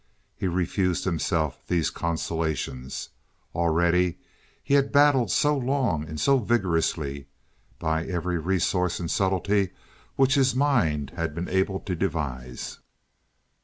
He refused himself these consolations. Already he had battled so long and so vigorously, by every resource and subtlety which his mind had been able to devise.